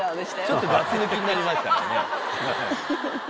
ちょっとガス抜きになりましたかね。